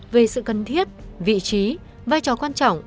về sự cần thiết vị trí vai trò quan trọng